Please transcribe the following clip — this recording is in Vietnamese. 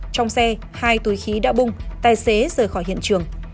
trong xe hai túi khí đã bung tài xế rời khỏi hiện trường